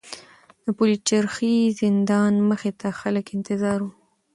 د پلچرخي زندان مخې ته خلک انتظار وو.